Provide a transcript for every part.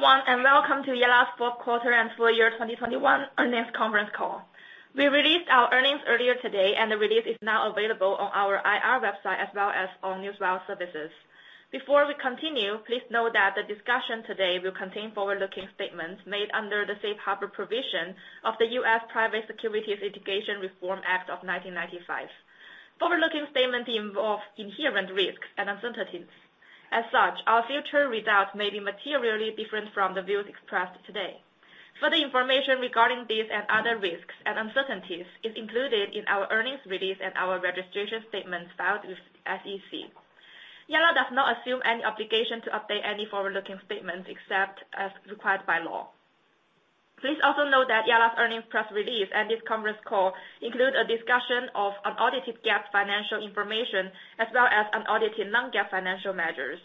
Hello everyone, and welcome to Yalla's fourth quarter and full-year 2021 earnings conference call. We released our earnings earlier today, and the release is now available on our IR website as well as all newswire services. Before we continue, please note that the discussion today will contain forward-looking statements made under the safe harbor provision of the U.S. Private Securities Litigation Reform Act of 1995. Forward-looking statements involve inherent risks and uncertainties. As such, our future results may be materially different from the views expressed today. Further information regarding these and other risks and uncertainties is included in our earnings release and our registration statements filed with SEC. Yalla does not assume any obligation to update any forward-looking statements except as required by law. Please also note that Yalla's earnings press release and this conference call include a discussion of unaudited GAAP financial information, as well as unaudited non-GAAP financial measures.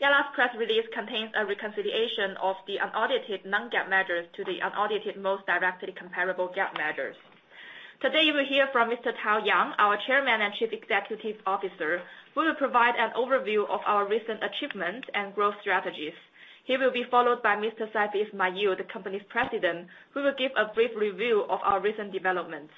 Yalla's press release contains a reconciliation of the unaudited non-GAAP measures to the unaudited most directly comparable GAAP measures. Today, you will hear from Mr. Tao Yang, our Chairman and Chief Executive Officer, who will provide an overview of our recent achievements and growth strategies. He will be followed by Mr. Saifi Ismail, the company's President, who will give a brief review of our recent developments.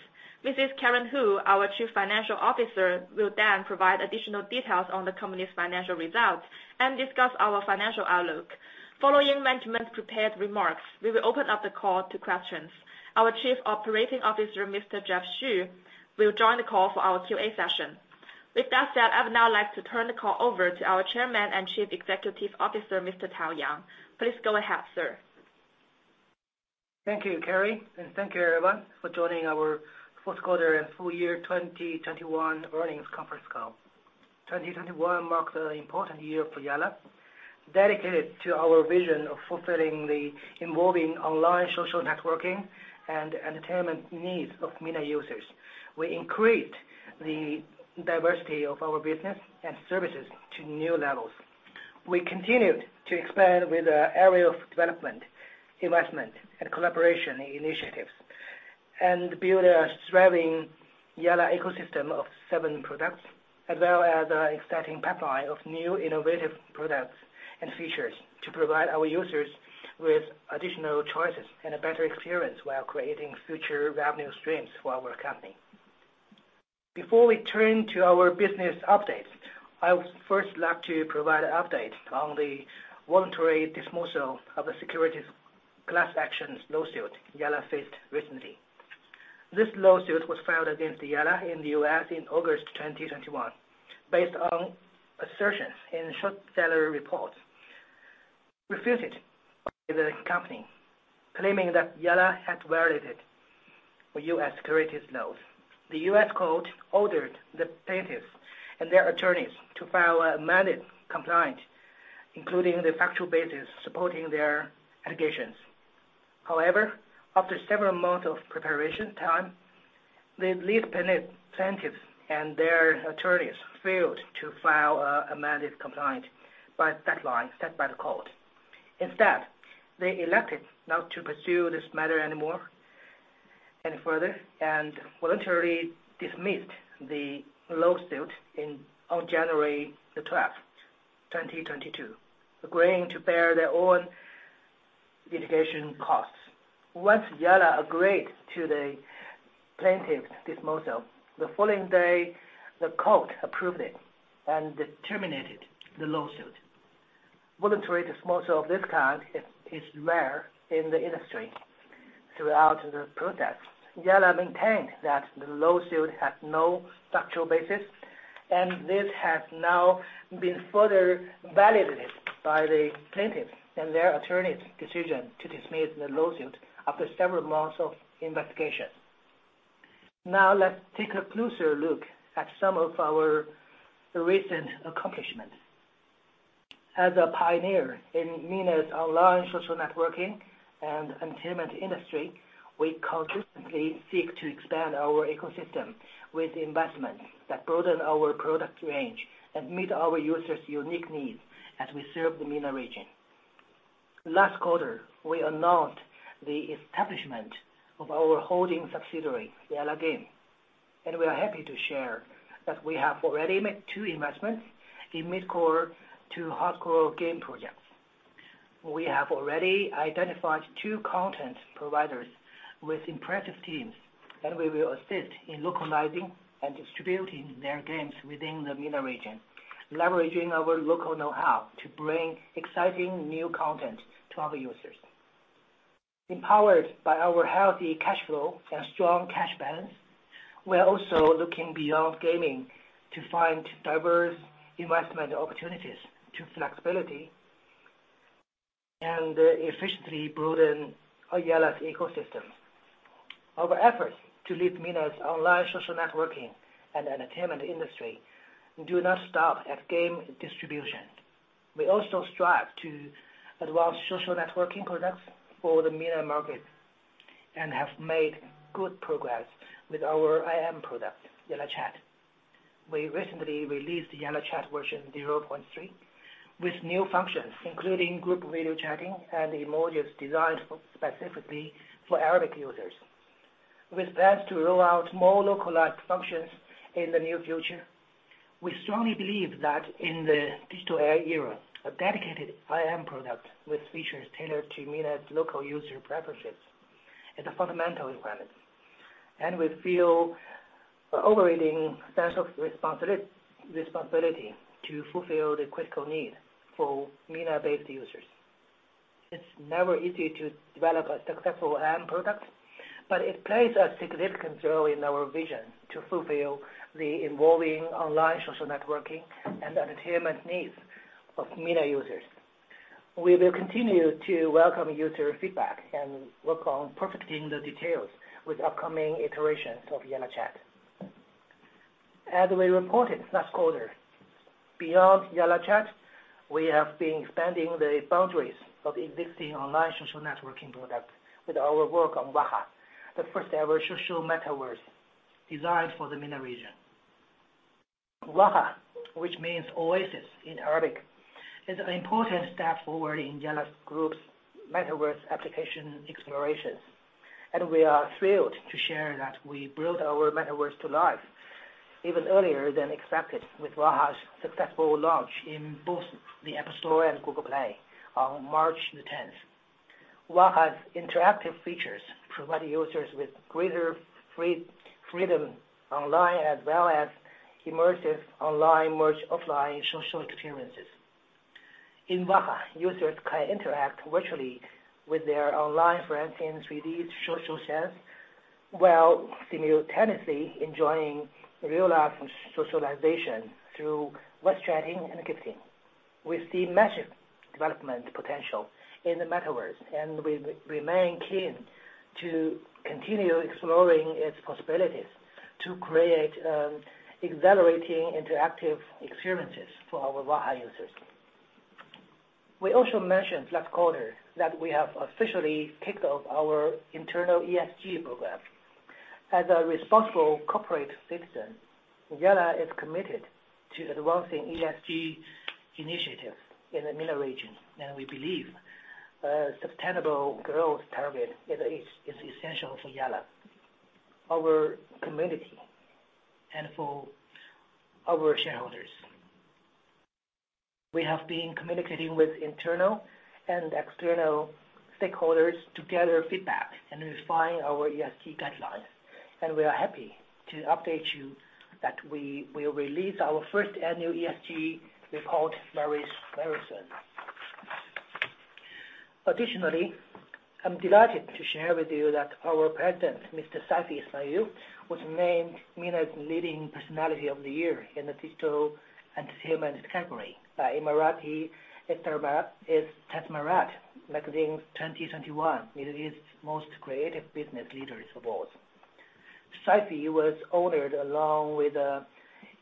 Mrs. Karen Hu, our Chief Financial Officer, will then provide additional details on the company's financial results and discuss our financial outlook. Following management's prepared remarks, we will open up the call to questions. Our Chief Operating Officer, Mr. Jeff Xu, will join the call for our QA session. With that said, I would now like to turn the call over to our Chairman and Chief Executive Officer, Mr. Tao Yang. Please go ahead, sir. Thank you, Kerry. Thank you everyone for joining our fourth quarter and full-year 2021 earnings conference call. 2021 marked an important year for Yalla dedicated to our vision of fulfilling the evolving online social networking and entertainment needs of MENA users. We increased the diversity of our business and services to new levels. We continued to expand within the area of development, investment, and collaboration initiatives, and build a thriving Yalla ecosystem of seven products, as well as an exciting pipeline of new innovative products and features to provide our users with additional choices and a better experience while creating future revenue streams for our company. Before we turn to our business updates, I would first like to provide an update on the voluntary dismissal of a securities class action lawsuit Yalla faced recently. This lawsuit was filed against Yalla in the U.S. in August 2021 based on assertions in short-seller reports, refuted by the company, claiming that Yalla had violated the U.S. securities laws. The U.S. court ordered the plaintiffs and their attorneys to file an amended complaint, including the factual basis supporting their allegations. However, after several months of preparation time, the lead plaintiff and their attorneys failed to file an amended complaint by the deadline set by the court. Instead, they elected not to pursue this matter anymore any further and voluntarily dismissed the lawsuit on January 12, 2022, agreeing to bear their own litigation costs. Once Yalla agreed to the plaintiff's dismissal, the following day, the court approved it and terminated the lawsuit. Voluntary dismissal of this kind is rare in the industry. Throughout the process, Yalla maintained that the lawsuit had no structural basis, and this has now been further validated by the plaintiffs and their attorneys' decision to dismiss the lawsuit after several months of investigation. Now, let's take a closer look at some of our recent accomplishments. As a pioneer in MENA's online social networking and entertainment industry, we consistently seek to expand our ecosystem with investments that broaden our product range and meet our users' unique needs as we serve the MENA region. Last quarter, we announced the establishment of our holding subsidiary, Yalla Game, and we are happy to share that we have already made two investments in mid-core to hardcore game projects. We have already identified two content providers with impressive teams, and we will assist in localizing and distributing their games within the MENA region, leveraging our local know-how to bring exciting new content to our users. Empowered by our healthy cash flow and strong cash balance, we are also looking beyond gaming to find diverse investment opportunities to flexibly and efficiently broaden our Yalla ecosystem. Our efforts to lead MENA's online social networking and entertainment industry do not stop at game distribution. We also strive to advance social networking products for the MENA market and have made good progress with our IM product, YallaChat. We recently released YallaChat version 0.3 with new functions, including group video chatting and emojis designed for, specifically for Arabic users. With plans to roll out more localized functions in the near future. We strongly believe that in the digital e-era, a dedicated IM product with features tailored to MENA local user preferences is a fundamental requirement, and we feel an overriding sense of responsibility to fulfill the critical need for MENA-based users. It's never easy to develop a successful IM product, but it plays a significant role in our vision to fulfill the evolving online social networking and entertainment needs of MENA users. We will continue to welcome user feedback and work on perfecting the details with upcoming iterations of YallaChat. As we reported last quarter, beyond YallaChat, we have been expanding the boundaries of existing online social networking products with our work on WAHA, the first-ever social metaverse designed for the MENA region. WAHA, which means oasis in Arabic, is an important step forward in Yalla Group's metaverse application explorations. We are thrilled to share that we brought our metaverse to life even earlier than expected with WAHA's successful launch in both the App Store and Google Play on March 10. WAHA's interactive features provide users with greater freedom online as well as immersive online-merge-offline social experiences. In WAHA, users can interact virtually with their online friends in 3D social chats, while simultaneously enjoying real-life socialization through voice chatting and gifting. We see massive development potential in the metaverse, and we remain keen to continue exploring its possibilities to create exhilarating interactive experiences for our WAHA users. We also mentioned last quarter that we have officially kicked off our internal ESG program. As a responsible corporate citizen, Yalla is committed to advancing ESG initiatives in the MENA region, and we believe a sustainable growth target is essential for Yalla, our community, and for our shareholders. We have been communicating with internal and external stakeholders to gather feedback and refine our ESG guidelines, and we are happy to update you that we will release our first annual ESG report very, very soon. Additionally, I'm delighted to share with you that our President, Mr. Saifi Ismail, was named MENA's Leading Personality of the Year in the Digital Entertainment category by Emirates Estithmar Magazine's 2021 Middle East Most Creative Business Leaders Award. Saifi was honored along with an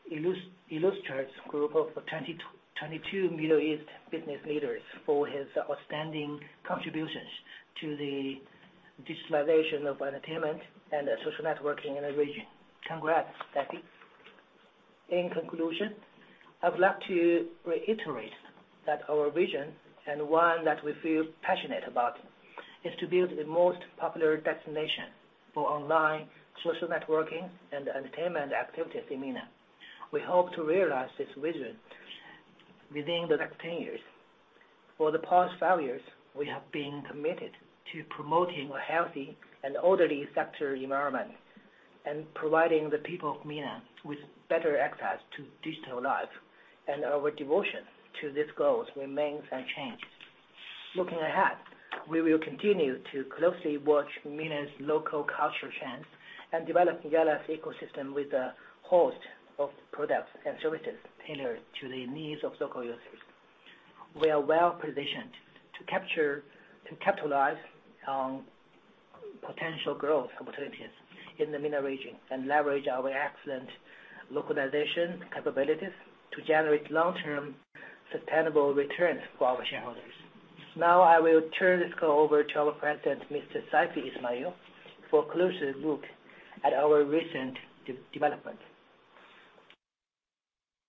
illustrious group of 2022 Middle East business leaders for his outstanding contributions to the digitalization of entertainment and social networking in the region. Congrats, Saifi. In conclusion, I would like to reiterate that our vision, and one that we feel passionate about, is to build the most popular destination for online social networking and entertainment activities in MENA. We hope to realize this vision within the next 10 years. For the past five years, we have been committed to promoting a healthy and orderly sector environment and providing the people of MENA with better access to digital life, and our devotion to this goal remains unchanged. Looking ahead, we will continue to closely watch MENA's local cultural trends and develop Yalla's ecosystem with a host of products and services tailored to the needs of local users. We are well-positioned to capture and capitalize on potential growth opportunities in the MENA region and leverage our excellent localization capabilities to generate long-term sustainable returns for our shareholders. Now, I will turn this call over to our President, Mr. Saifi Ismail, for a closer look at our recent development.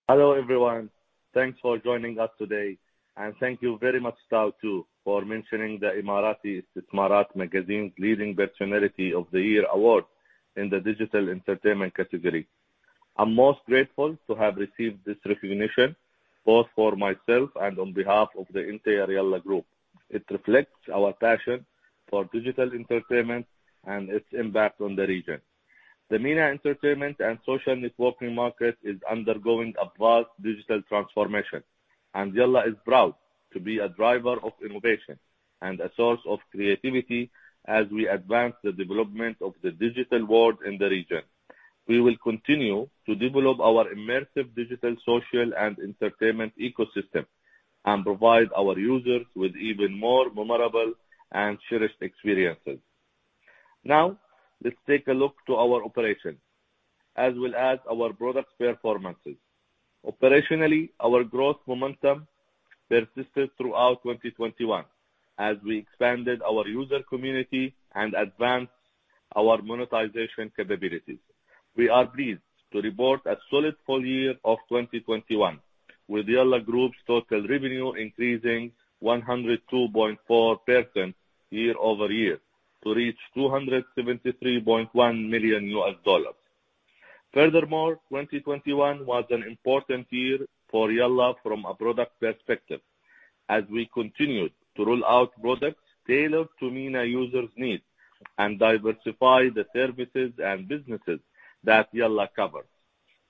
Hello, everyone. Thanks for joining us today, and thank you very much, Tao, too, for mentioning the Emirates Estithmar Magazine's Leading Personality of the Year Award in the Digital Entertainment category. I'm most grateful to have received this recognition, both for myself and on behalf of the entire Yalla Group. It reflects our passion for digital entertainment and its impact on the region. The MENA entertainment and social networking market is undergoing a vast digital transformation, and Yalla is proud to be a driver of innovation and a source of creativity as we advance the development of the digital world in the region. We will continue to develop our immersive digital, social, and entertainment ecosystem and provide our users with even more memorable and cherished experiences. Now, let's take a look to our operations as well as our product performances. Operationally, our growth momentum persisted throughout 2021 as we expanded our user community and advanced our monetization capabilities. We are pleased to report a solid full year of 2021. With Yalla Group's total revenue increasing 102.4% year-over-year to reach $273.1 million. Furthermore, 2021 was an important year for Yalla from a product perspective, as we continued to roll out products tailored to MENA users' needs and diversify the services and businesses that Yalla covers.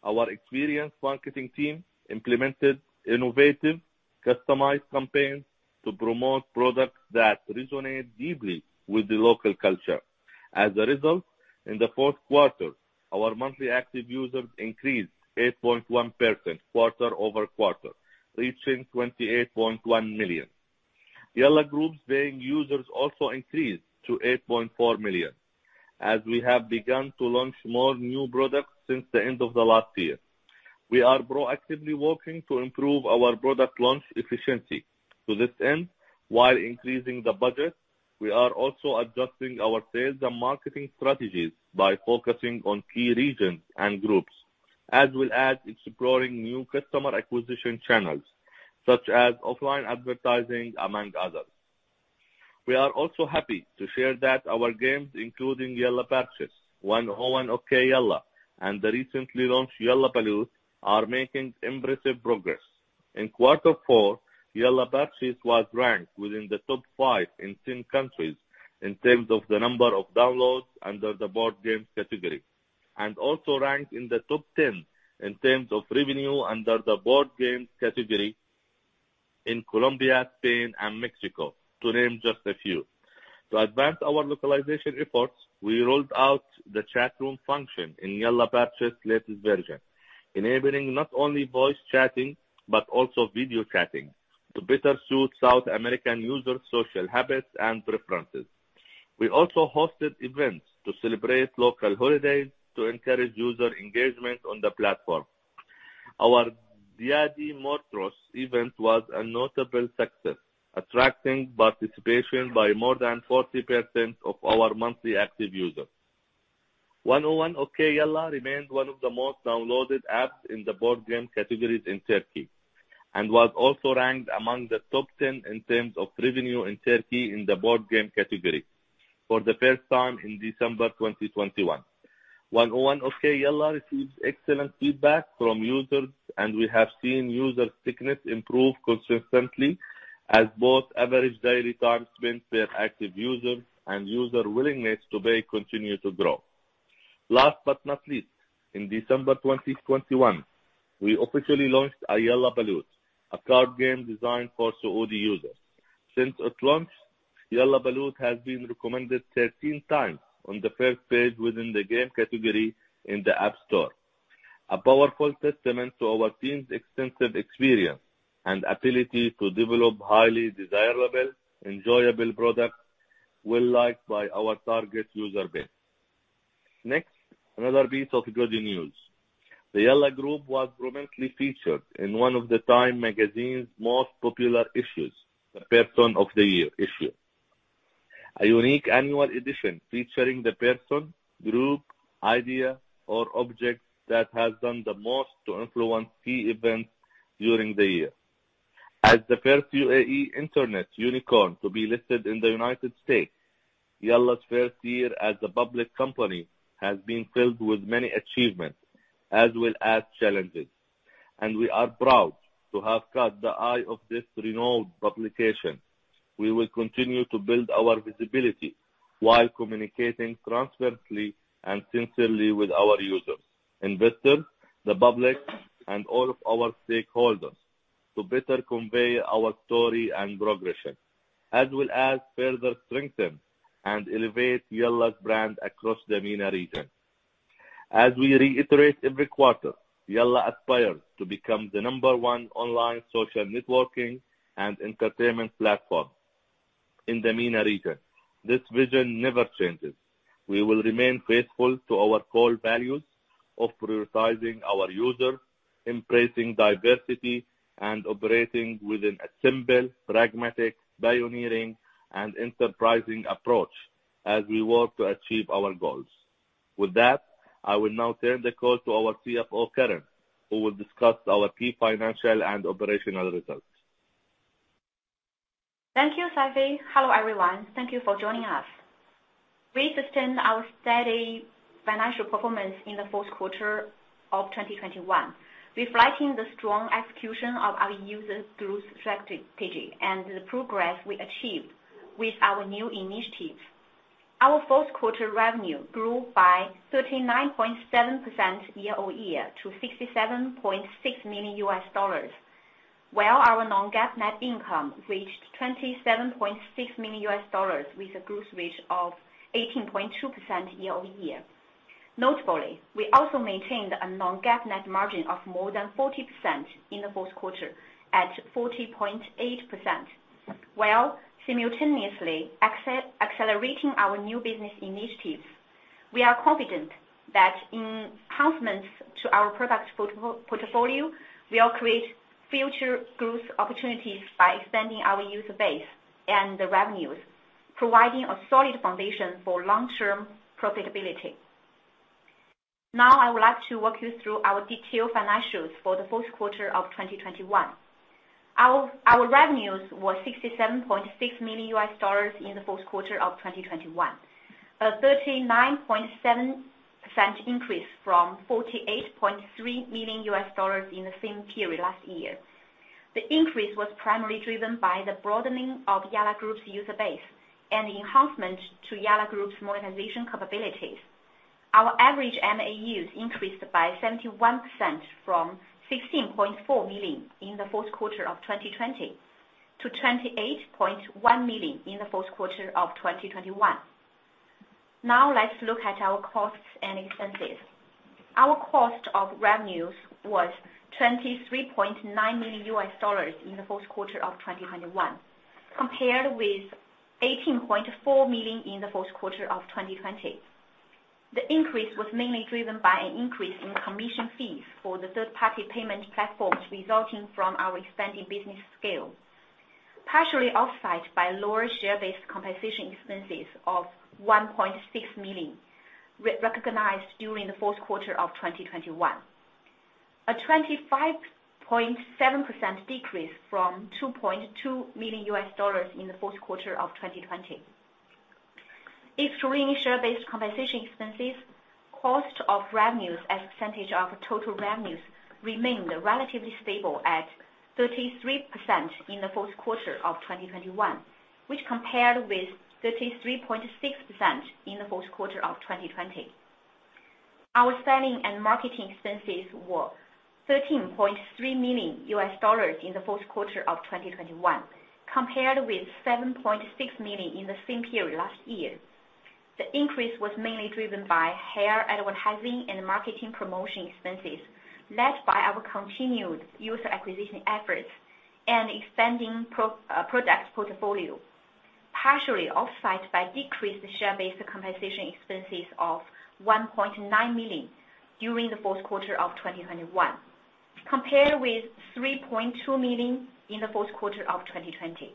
Our experienced marketing team implemented innovative, customized campaigns to promote products that resonate deeply with the local culture. As a result, in the fourth quarter, our monthly active users increased 8.1% quarter-over-quarter, reaching 28.1 million. Yalla Group's paying users also increased to 8.4 million, as we have begun to launch more new products since the end of the last year. We are proactively working to improve our product launch efficiency. To this end, while increasing the budget, we are also adjusting our sales and marketing strategies by focusing on key regions and groups, as well as exploring new customer acquisition channels, such as offline advertising, among others. We are also happy to share that our games, including Yalla Parchis, 101 Okey Yalla, and the recently launched Yalla Baloot, are making impressive progress. In quarter four, Yalla Parchis was ranked within the top five in 10 countries in terms of the number of downloads under the board games category, and also ranked in the top 10 in terms of revenue under the board games category in Colombia, Spain, and Mexico, to name just a few. To advance our localization efforts, we rolled out the chat room function in Yalla Parchis latest version, enabling not only voice chatting, but also video chatting to better suit South American users' social habits and preferences. We also hosted events to celebrate local holidays to encourage user engagement on the platform. Our Día de Muertos event was a notable success, attracting participation by more than 40% of our monthly active users. 101 Okey Yalla remained one of the most downloaded apps in the board game categories in Turkey, and was also ranked among the top 10 in terms of revenue in Turkey in the board game category for the first time in December 2021. 101 Okey Yalla received excellent feedback from users, and we have seen user stickiness improve consistently as both average daily time spent per active user and user willingness to pay continue to grow. Last but not least, in December 2021, we officially launched Yalla Baloot, a card game designed for Saudi users. Since its launch, Yalla Baloot has been recommended 13 times on the first page within the game category in the App Store, a powerful testament to our team's extensive experience and ability to develop highly desirable, enjoyable products well-liked by our target user base. Next, another piece of good news. The Yalla Group was prominently featured in one of the TIME Magazine's most popular issues, the Person of the Year issue. A unique annual edition featuring the person, group, idea, or object that has done the most to influence key events during the year. As the first UAE internet unicorn to be listed in the United States, Yalla's first year as a public company has been filled with many achievements as well as challenges, and we are proud to have caught the eye of this renowned publication. We will continue to build our visibility while communicating transparently and sincerely with our users, investors, the public, and all of our stakeholders to better convey our story and progression, as well as further strengthen and elevate Yalla's brand across the MENA region. As we reiterate every quarter, Yalla aspires to become the number one online social networking and entertainment platform in the MENA region. This vision never changes. We will remain faithful to our core values of prioritizing our users, embracing diversity, and operating within a simple, pragmatic, pioneering, and enterprising approach as we work to achieve our goals. With that, I will now turn the call to our CFO, Karen, who will discuss our key financial and operational results. Thank you, Saifi. Hello, everyone. Thank you for joining us. We sustained our steady financial performance in the fourth quarter of 2021, reflecting the strong execution of our users through strategy and the progress we achieved with our new initiatives. Our fourth quarter revenue grew by 39.7% year-over-year to $67.6 million, while our non-GAAP net income reached $27.6 million, with a growth rate of 18.2% year-over-year. Notably, we also maintained a non-GAAP net margin of more than 40% in the fourth quarter at 40.8%, while simultaneously accelerating our new business initiatives. We are confident that enhancements to our product portfolio will create future growth opportunities by expanding our user base and the revenues, providing a solid foundation for long-term profitability. Now I would like to walk you through our detailed financials for the fourth quarter of 2021. Our revenues were $67.6 million in the fourth quarter of 2021, a 39.7% increase from $48.3 million in the same period last year. The increase was primarily driven by the broadening of Yalla Group's user base and the enhancement to Yalla Group's monetization capabilities. Our average MAUs increased by 71% from 16.4 million in the fourth quarter of 2020 to 28.1 million in the fourth quarter of 2021. Now let's look at our costs and expenses. Our cost of revenues was $23.9 million in the fourth quarter of 2021, compared with $18.4 million in the fourth quarter of 2020. The increase was mainly driven by an increase in commission fees for the third-party payment platforms resulting from our expanding business scale, partially offset by lower share-based compensation expenses of $1.6 million re-recognized during the fourth quarter of 2021. A 25.7% decrease from $2.2 million in the fourth quarter of 2020. Excluding share-based compensation expenses, cost of revenues as a percentage of total revenues remained relatively stable at 33% in the fourth quarter of 2021, which compared with 33.6% in the fourth quarter of 2020. Our selling and marketing expenses were $13.3 million in the fourth quarter of 2021, compared with $7.6 million in the same period last year. The increase was mainly driven by higher advertising and marketing promotion expenses, led by our continued user acquisition efforts and expanding product portfolio, partially offset by decreased share-based compensation expenses of $1.9 million during the fourth quarter of 2021, compared with $3.2 million in the fourth quarter of 2020.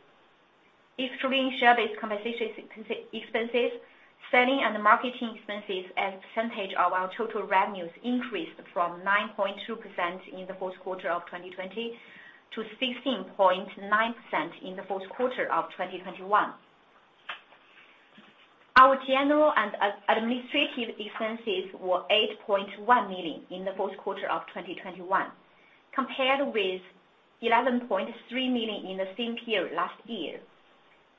Excluding share-based compensation expenses, selling and marketing expenses as a percentage of our total revenues increased from 9.2% in the fourth quarter of 2020 to 16.9% in the fourth quarter of 2021. Our general and administrative expenses were $8.1 million in the fourth quarter of 2021, compared with $11.3 million in the same period last year.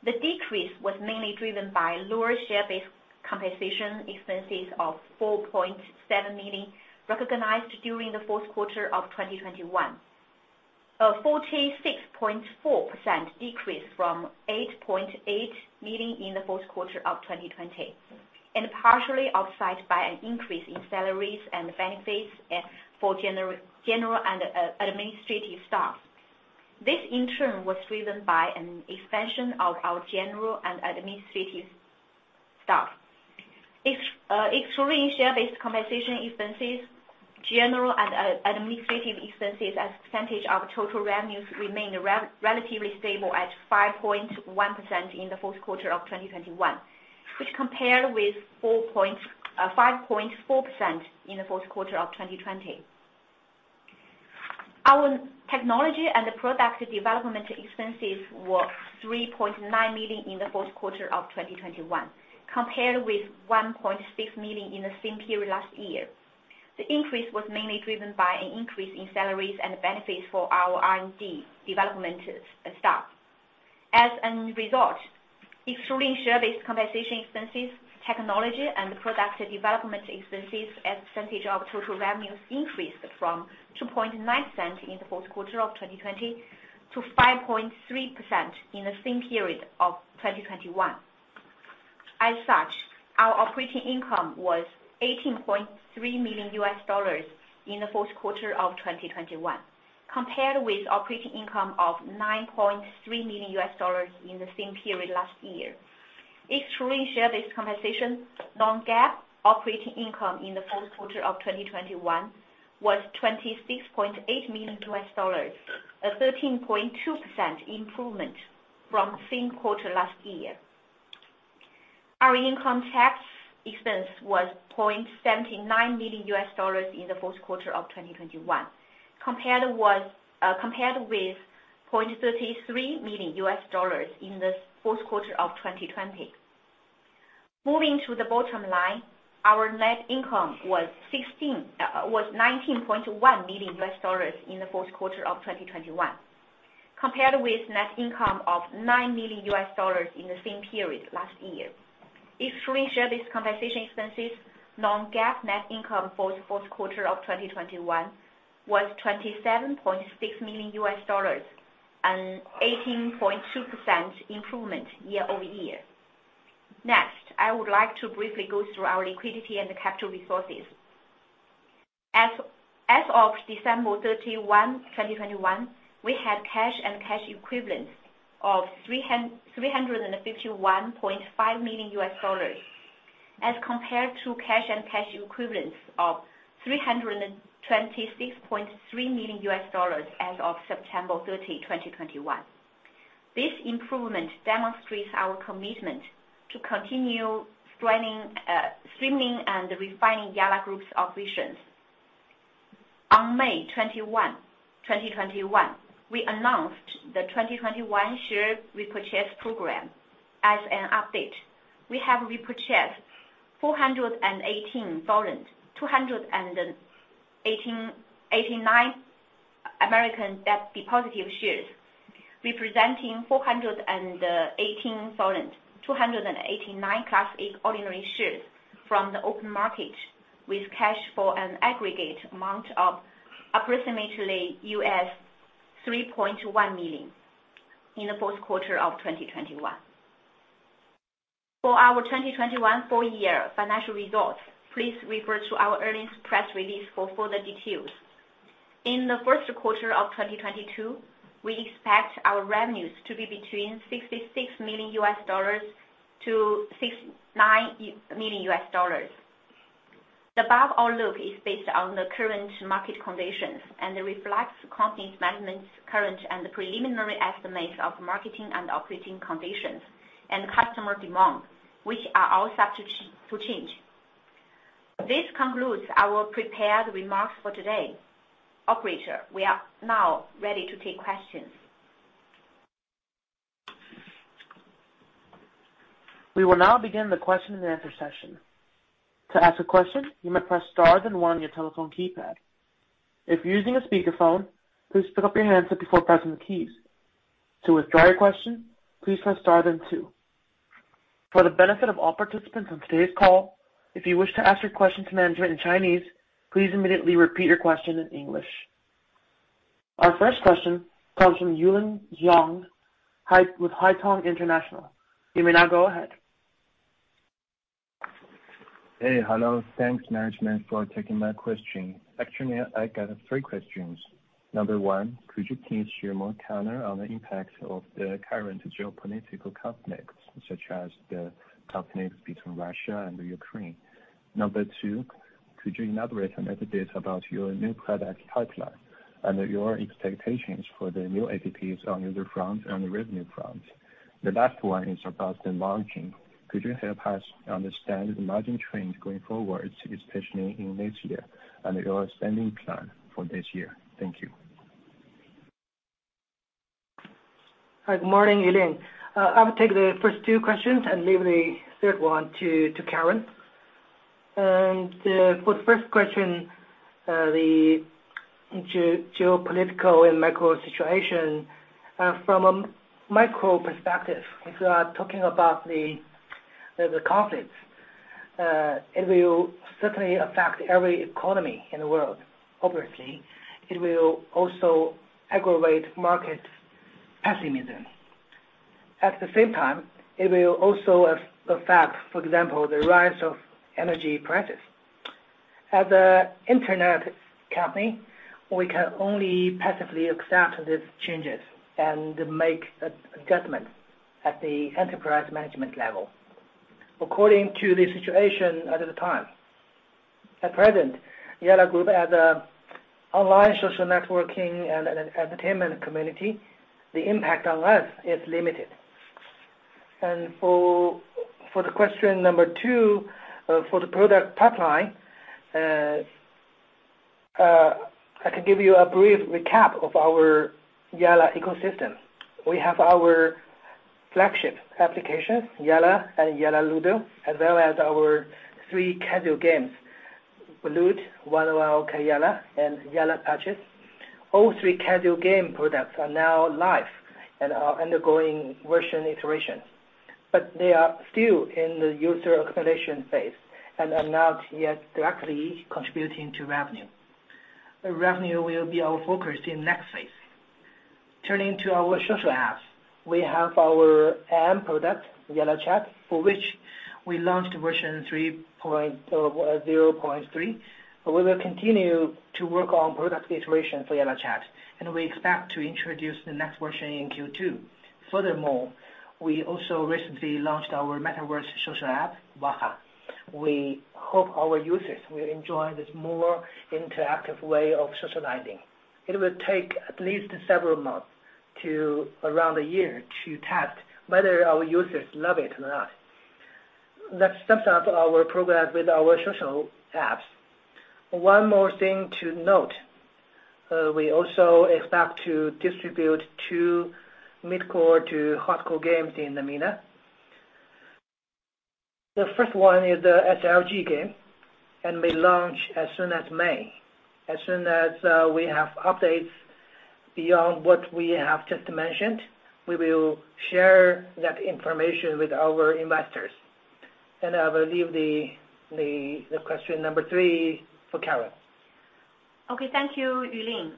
The decrease was mainly driven by lower share-based compensation expenses of $4.7 million recognized during the fourth quarter of 2021. This represented a 46.4% decrease from $8.8 million in the fourth quarter of 2020, and partially offset by an increase in salaries and benefits for general and administrative staff. This in turn was driven by an expansion of our general and administrative staff. Excluding share-based compensation expenses, general and administrative expenses as a percentage of total revenues remained relatively stable at 5.1% in the fourth quarter of 2021, which compared with 5.4% in the fourth quarter of 2020. Our technology and product development expenses were $3.9 million in the fourth quarter of 2021, compared with $1.6 million in the same period last year. The increase was mainly driven by an increase in salaries and benefits for our R&D staff. As a result, excluding share-based compensation expenses, technology and product development expenses as a percentage of total revenues increased from 2.9% in the fourth quarter of 2020 to 5.3% in the same period of 2021. Our operating income was $18.3 million in the fourth quarter of 2021, compared with operating income of $9.3 million in the same period last year. Excluding share-based compensation, non-GAAP operating income in the fourth quarter of 2021 was $26.8 million, a 13.2% improvement from same quarter last year. Our income tax expense was $0.79 million in the fourth quarter of 2021, compared with $0.33 million in the fourth quarter of 2020. Moving to the bottom line, our net income was $19.1 million in the fourth quarter of 2021, compared with net income of $9 million in the same period last year. Excluding share-based compensation expenses, non-GAAP net income for the fourth quarter of 2021 was $27.6 million, an 18.2% improvement year-over-year. Next, I would like to briefly go through our liquidity and capital resources. As of December 31, 2021, we had cash and cash equivalents of $351.5 million, as compared to cash and cash equivalents of $326.3 million as of September 30, 2021. This improvement demonstrates our commitment to continue streamlining, slimming and refining Yalla Group's operations. On May 21, 2021, we announced the 2021 share repurchase program. As an update, we have repurchased 418,289 American Depositary Shares, representing 418,289 Class A ordinary shares from the open market with cash for an aggregate amount of approximately $3.1 million in the fourth quarter of 2021. For our 2021 full-year financial results, please refer to our earnings press release for further details. In the first quarter of 2022, we expect our revenues to be between $66 million-$69 million. The above outlook is based on the current market conditions and reflects the company's current and preliminary estimates of marketing and operating conditions and customer demand, which are all subject to change. This concludes our prepared remarks for today. Operator, we are now ready to take questions. We will now begin the question and answer session. To ask a question, you may press star then one on your telephone keypad. If you're using a speakerphone, please pick up your handset before pressing the keys. To withdraw your question, please press star then two. For the benefit of all participants on today's call, if you wish to ask your question to management in Chinese, please immediately repeat your question in English. Our first question comes from Yulin Jiang with Haitong International. You may now go ahead. Hello. Thanks, management, for taking my question. Actually, I got three questions. Number one, could you please share more color on the impact of the current geopolitical conflicts, such as the conflict between Russia and the Ukraine? Number two, could you elaborate a little bit about your new product pipeline and your expectations for the new apps on user front and the revenue front? The last one is about the margin. Could you help us understand the margin trends going forward, especially in this year and your spending plan for this year? Thank you. Hi. Good morning, Yulin. I will take the first two questions and leave the third one to Karen. For the first question, the geopolitical and macro situation, from a micro perspective, if you are talking about the conflicts, it will certainly affect every economy in the world, obviously. It will also aggravate market pessimism. At the same time, it will also affect, for example, the rise of energy prices. As an Internet company, we can only passively accept these changes and make adjustments at the enterprise management level according to the situation at the time. At present, Yalla Group as an online social networking and entertainment community, the impact on us is limited. For the question number two, for the product pipeline, I can give you a brief recap of our Yalla ecosystem. We have our flagship applications, Yalla and Yalla Ludo, as well as our three casual games, Baloot, 101 Okey Yalla, and Yalla Parchis. All three casual game products are now live and are undergoing version iterations. They are still in the user acquisition phase and are not yet directly contributing to revenue. The revenue will be our focus in next phase. Turning to our social apps, we have our IM product, YallaChat, for which we launched version 1.0.3. We will continue to work on product iteration for YallaChat, and we expect to introduce the next version in Q2. Furthermore, we also recently launched our Metaverse social app, WAHA. We hope our users will enjoy this more interactive way of socializing. It will take at least several months to around a year to test whether our users love it or not. That sums up our progress with our social apps. One more thing to note, we also expect to distribute two mid-core to hardcore games in MENA. The first one is the SLG game, and may launch as soon as May. As soon as we have updates beyond what we have just mentioned, we will share that information with our investors. I will leave the question number three for Karen. Okay. Thank you, Yulin.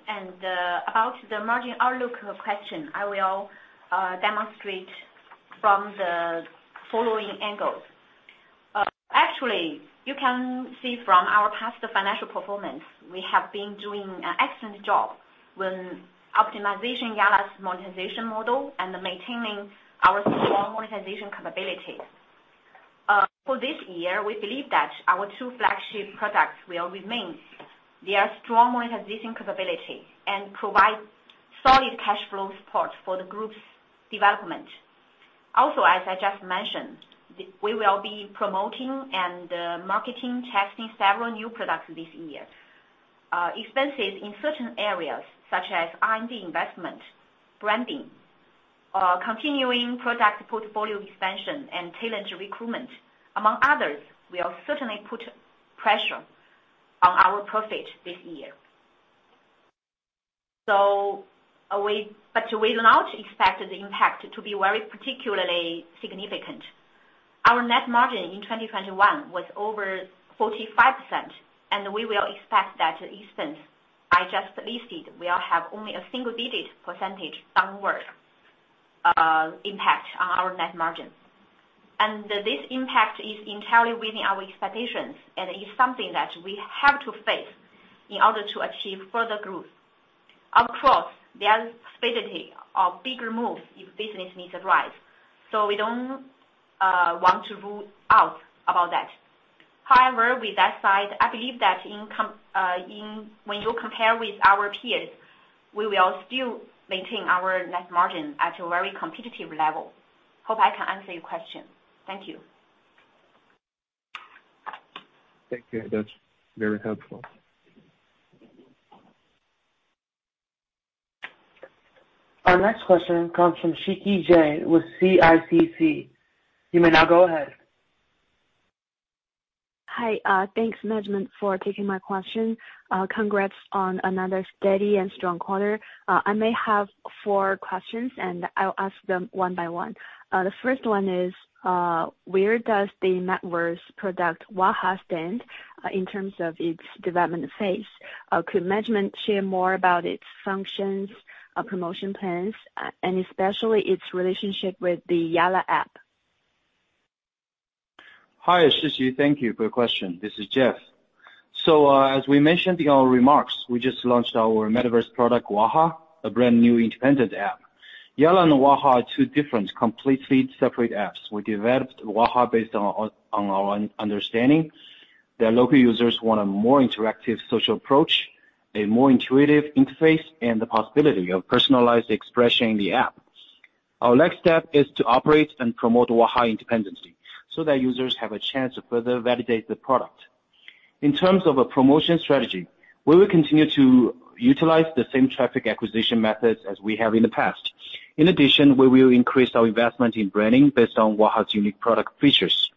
About the margin outlook question, I will demonstrate from the following angles. Actually, you can see from our past financial performance, we have been doing an excellent job in optimizing Yalla's monetization model and maintaining our strong monetization capabilities. For this year, we believe that our two flagship products will retain their strong monetization capability and provide solid cash flow support for the group's development. Also, as I just mentioned, we will be promoting and marketing testing several new products this year. Expenses in certain areas such as R&D investment, branding, continuing product portfolio expansion, and talent recruitment among others will certainly put pressure on our profit this year. We do not expect the impact to be very particularly significant. Our net margin in 2021 was over 45%, and we will expect that expense I just listed will have only a single-digit percentage downward impact on our net margin. This impact is entirely within our expectations and is something that we have to face in order to achieve further growth. Of course, there's possibility of bigger moves if business needs arise, so we don't want to rule out about that. However, with that said, I believe that income when you compare with our peers, we will still maintain our net margin at a very competitive level. Hope I can answer your question. Thank you. Thank you. That's very helpful. Our next question comes from Shiqi Ge with CICC. You may now go ahead. Hi. Thanks, management, for taking my question. Congrats on another steady and strong quarter. I may have four questions, and I'll ask them one-by-one. The first one is, where does the metaverse product WAHA stand in terms of its development phase? Could management share more about its functions, promotion plans, and especially its relationship with the Yalla app? Hi, Shiqi. Thank you for your question. This is Jeff. As we mentioned in our remarks, we just launched our metaverse product, WAHA, a brand-new independent app. Yalla and WAHA are two different, completely separate apps. We developed WAHA based on our understanding that local users want a more interactive social approach, a more intuitive interface, and the possibility of personalized expression in the app. Our next step is to operate and promote WAHA independently so that users have a chance to further validate the product. In terms of a promotion strategy, we will continue to utilize the same traffic acquisition methods as we have in the past. In addition, we will increase our investment in branding based on WAHA's unique product features.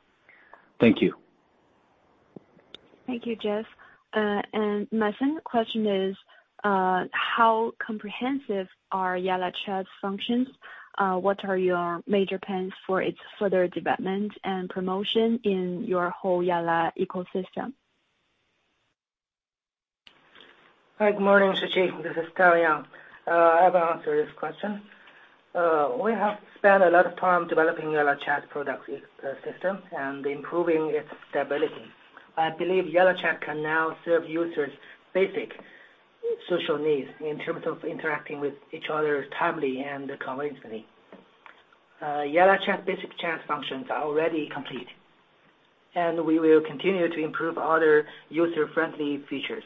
Thank you. Thank you, Jeff. My second question is, how comprehensive are YallaChat's functions? What are your major plans for its further development and promotion in your whole Yalla ecosystem? Hi, good morning, Shiqi. This is Tao Yang. I will answer this question. We have spent a lot of time developing YallaChat product ecosystem and improving its stability. I believe YallaChat can now serve users' basic social needs in terms of interacting with each other timely and conveniently. YallaChat's basic chat functions are already complete, and we will continue to improve other user-friendly features.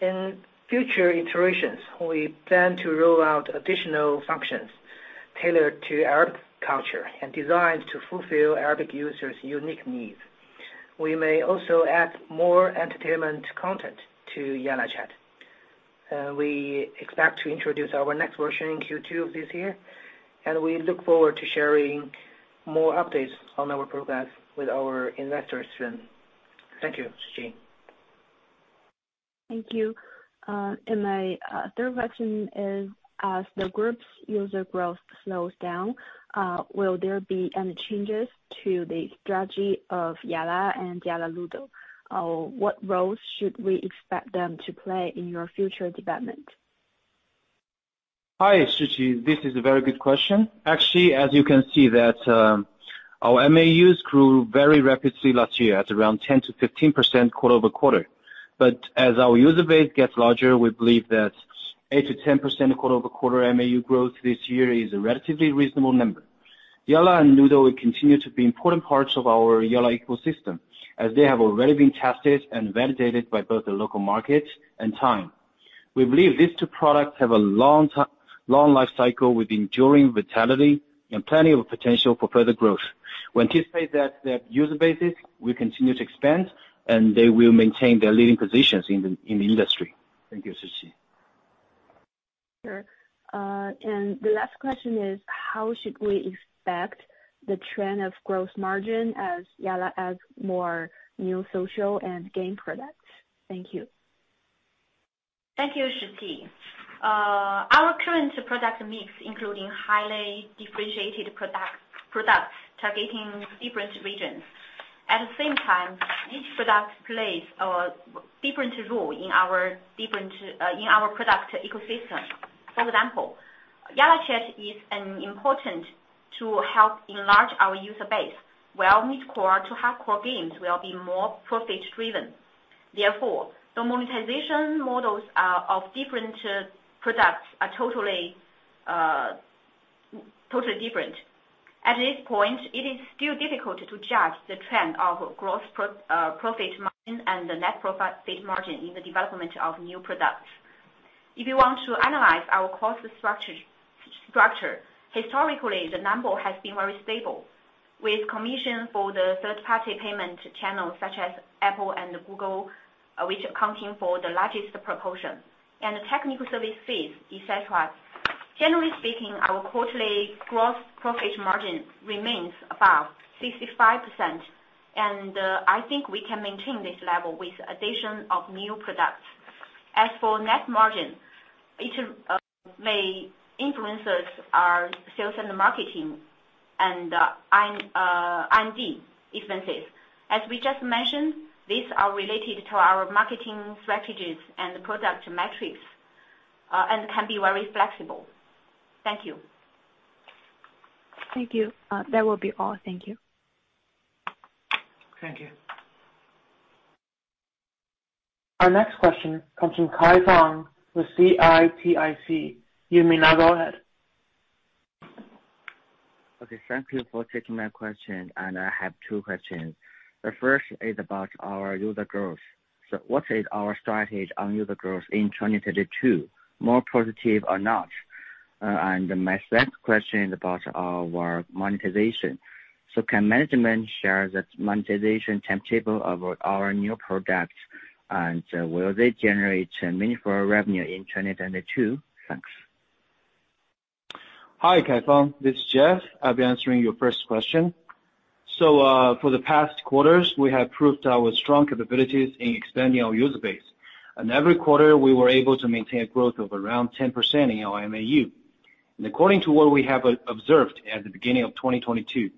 In future iterations, we plan to roll out additional functions tailored to Arab culture and designed to fulfill Arabic users' unique needs. We may also add more entertainment content to YallaChat. We expect to introduce our next version in Q2 of this year, and we look forward to sharing more updates on our progress with our investors soon. Thank you, Shiqi. Thank you. My third question is, as the group's user growth slows down, will there be any changes to the strategy of Yalla and Yalla Ludo? What roles should we expect them to play in your future development? Hi, Shiqi. This is a very good question. Actually, as you can see that, our MAUs grew very rapidly last year at around 10%-15% quarter-over-quarter. As our user base gets larger, we believe that 8%-10% quarter-over-quarter MAU growth this year is a relatively reasonable number. Yalla and Ludo will continue to be important parts of our Yalla ecosystem, as they have already been tested and validated by both the local market and time. We believe these two products have a long life cycle with enduring vitality and plenty of potential for further growth. We anticipate that their user bases will continue to expand, and they will maintain their leading positions in the industry. Thank you, Shiqi. Sure. The last question is: How should we expect the trend of gross margin as Yalla adds more new social and game products? Thank you. Thank you, Shiqi. Our current product mix, including highly differentiated products targeting different regions. At the same time, each product plays a different role in our product ecosystem. For example, YallaChat is important to help enlarge our user base, while mid-core to hard-core games will be more profit-driven. Therefore, the monetization models of different products are totally different. At this point, it is still difficult to judge the trend of gross profit margin and the net profit margin in the development of new products. If you want to analyze our cost structure, historically, the number has been very stable, with commission for the third party payment channels such as Apple and Google, which accounts for the largest proportion, and the technical service fees, et cetera. Generally speaking, our quarterly gross profit margin remains about 65%, and I think we can maintain this level with addition of new products. As for net margin, it may influence our sales and marketing and R&D expenses. As we just mentioned, these are related to our marketing strategies and product metrics, and can be very flexible. Thank you. Thank you. That will be all. Thank you. Thank you. Our next question comes from Kaifang with CITIC. You may now go ahead. Okay. Thank you for taking my question, and I have two questions. The first is about our user growth. What is our strategy on user growth in 2022? More positive or not? My second question is about our monetization. Can management share that monetization timetable of our new product? And will they generate meaningful revenue in 2022? Thanks. Hi, Kaifang. This is Jeff. I'll be answering your first question. For the past quarters, we have proved our strong capabilities in expanding our user base, and every quarter we were able to maintain growth of around 10% in our MAU. According to what we have observed at the beginning of 2022,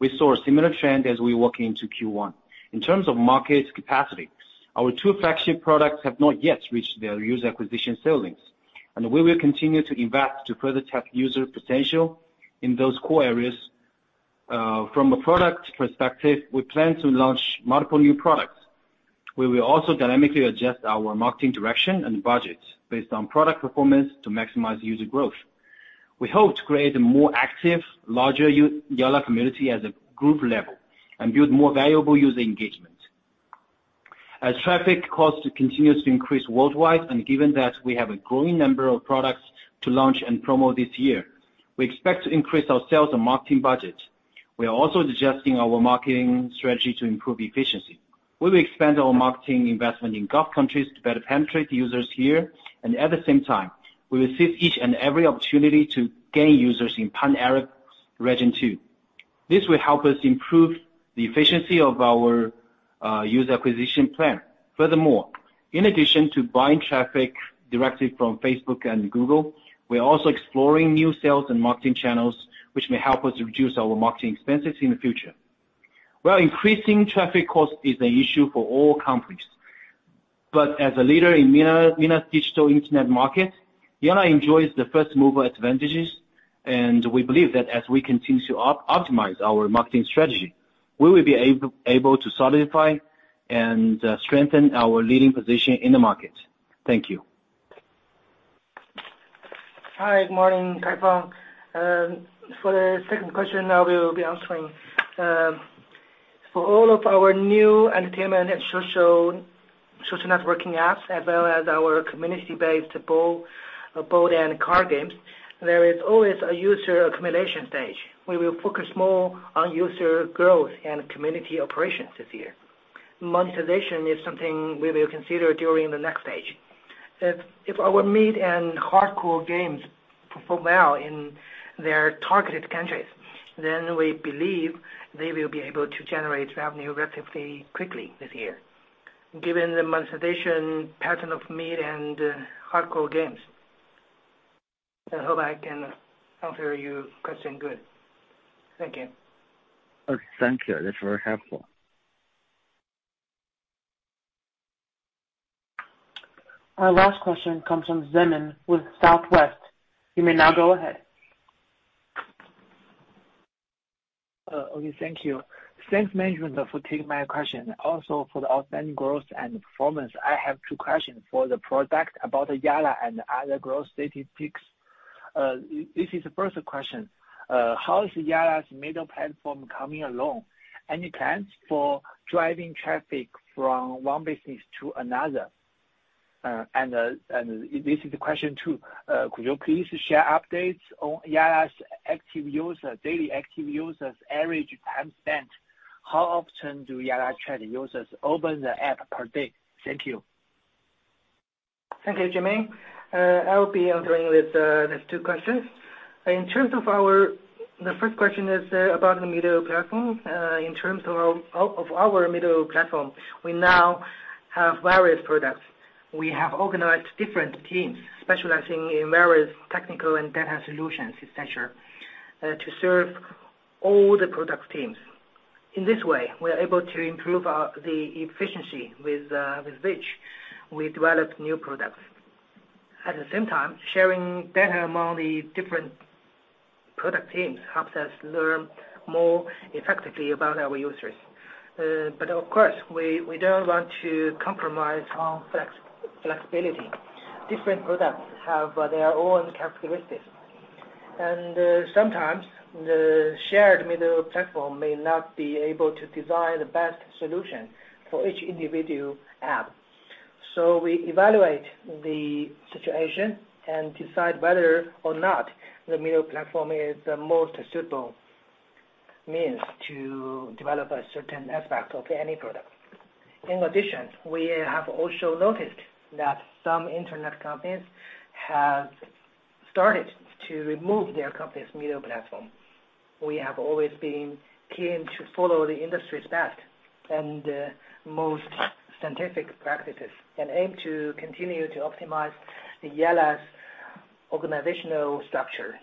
we saw a similar trend as we walk into Q1. In terms of market capacity, our two flagship products have not yet reached their user acquisition ceilings, and we will continue to invest to further tap user potential in those core areas. From a product perspective, we plan to launch multiple new products. We will also dynamically adjust our marketing direction and budgets based on product performance to maximize user growth. We hope to create a more active, larger Yalla community at the group level and build more valuable user engagement. As traffic costs continue to increase worldwide, and given that we have a growing number of products to launch and promo this year, we expect to increase our sales and marketing budget. We are also adjusting our marketing strategy to improve efficiency. We will expand our marketing investment in Gulf countries to better penetrate users here, and at the same time, we will seize each and every opportunity to gain users in pan-Arab region too. This will help us improve the efficiency of our user acquisition plan. Furthermore, in addition to buying traffic directly from Facebook and Google, we are also exploring new sales and marketing channels, which may help us reduce our marketing expenses in the future. Well, increasing traffic cost is an issue for all companies, but as a leader in MENA digital internet market, Yalla enjoys the first mover advantages, and we believe that as we continue to optimize our marketing strategy, we will be able to solidify and strengthen our leading position in the market. Thank you. Hi. Good morning, Kaifang. For the second question, I will be answering. For all of our new entertainment and social networking apps, as well as our community-based board and card games, there is always a user accumulation stage. We will focus more on user growth and community operations this year. Monetization is something we will consider during the next stage. If our mid and hardcore games perform well in their targeted countries, then we believe they will be able to generate revenue relatively quickly this year, given the monetization pattern of mid and hardcore games. I hope I can answer your question good. Thank you. Oh, thank you. That's very helpful. Our last question comes from Zemin with Southwest. You may now go ahead. Okay, thank you. Thanks, management, for taking my question, also for the outstanding growth and performance. I have two questions regarding the products of Yalla and other growth statistics. This is the first question. How is Yalla's metaverse platform coming along? Any plans for driving traffic from one business to another? This is question two. Could you please share updates on Yalla's active users, daily active users, average time spent? How often do YallaChat users open the app per day? Thank you. Thank you, Zemin. I'll be answering these two questions. The first question is about the middle platform. In terms of our middle platform, we now have various products. We have organized different teams specializing in various technical and data solutions, et cetera, to serve all the product teams. In this way, we are able to improve the efficiency with which we develop new products. At the same time, sharing data among the different Product teams helps us learn more effectively about our users. Of course, we don't want to compromise on flexibility. Different products have their own characteristics. Sometimes the shared middle platform may not be able to design the best solution for each individual app. We evaluate the situation and decide whether or not the middle platform is the most suitable means to develop a certain aspect of any product. In addition, we have also noticed that some internet companies have started to remove their company's middle platform. We have always been keen to follow the industry's best and most scientific practices, and aim to continue to optimize Yalla's organizational structure.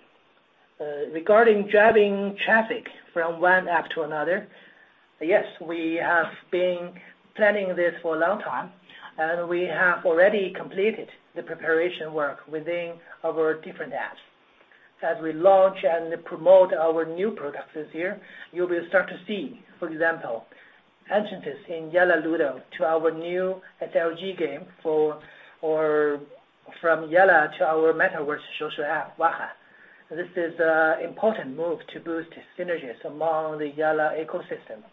Regarding driving traffic from one app to another, yes, we have been planning this for a long time, and we have already completed the preparation work within our different apps. As we launch and promote our new products this year, you will start to see, for example, entrances in Yalla Ludo to our new SLG game from Yalla to our metaverse social app, WAHA. This is an important move to boost synergies among the Yalla ecosystem,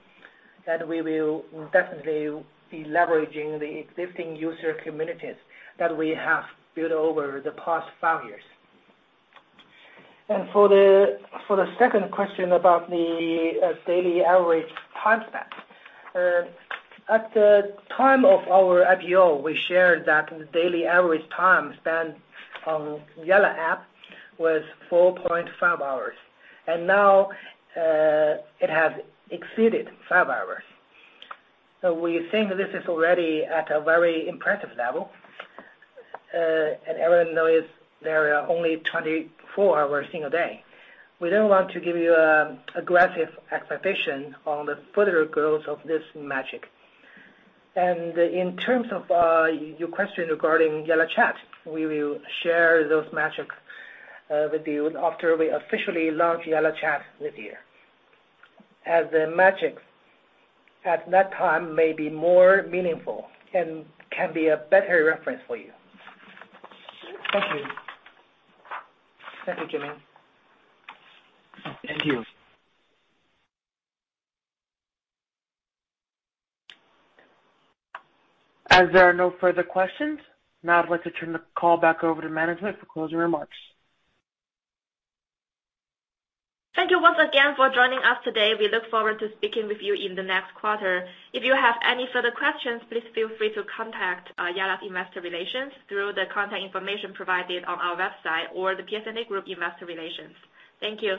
and we will definitely be leveraging the existing user communities that we have built over the past five years. For the second question about the daily average time spent. At the time of our IPO, we shared that the daily average time spent on Yalla app was 4.5 hours, and now it has exceeded five hours. We think this is already at a very impressive level, and everyone knows there are only 24 hours in a day. We don't want to give you aggressive expectation on the further growth of this metric. In terms of your question regarding YallaChat, we will share those metric with you after we officially launch YallaChat this year, as the metrics at that time may be more meaningful and can be a better reference for you. Thank you. Thank you, Zemin. Thank you. As there are no further questions, now I'd like to turn the call back over to management for closing remarks. Thank you once again for joining us today. We look forward to speaking with you in the next quarter. If you have any further questions, please feel free to contact Yalla Investor Relations through the contact information provided on our website or Piacente Financial Communications. Thank you.